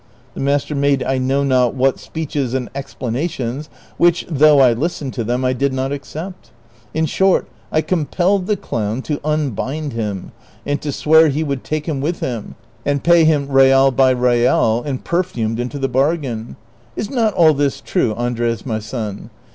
The master made I know not what speeches and explanations, Avhich, though I listened to them, I did not acce})t. In short, I compelled the clown to unbind him, and to swear he would take him with him. 264 DON QUIXOTE. and pay him real by real, and perfumed into the bargain.^ Is not all this true, Andres my son